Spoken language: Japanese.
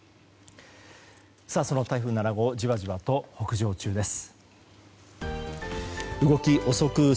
その台風７号じわじわと北上中です。